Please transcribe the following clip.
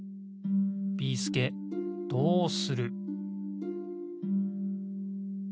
ビーすけどうする！？